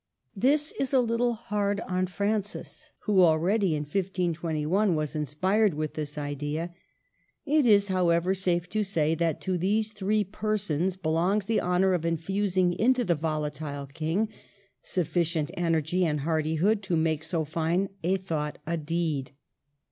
This is a little hard on Francis, who already in 1 52 1 was inspired with this idea; it is, however, safe to say that to these three persons belongs the honor of infusing into the volatile king suffi cient energy and hardihood to make so fine a thought a deed.